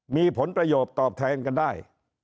มีผลประโยชน์ตอบแทนกันได้